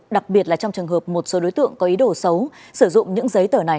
đặc biệt là trong trường hợp một số đối tượng có ý đồ xấu sử dụng những giấy tờ này